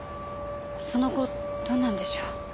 その後どうなんでしょう。